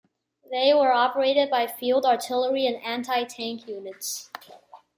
They were operated by field artillery and anti-tank units.